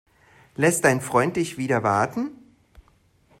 Lässt dein Freund dich wieder warten?